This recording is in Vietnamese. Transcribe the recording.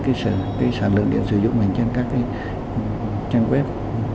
cái sản lượng điện sử dụng của mình trên các trang web